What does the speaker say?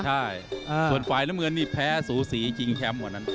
ใช่ส่วนไฟละเมืองนี่แพ้สูสีจริงแคมป์กว่านั้น